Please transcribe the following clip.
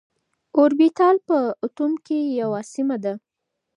اوربيتال په اتوم کي يوه سيمه ده.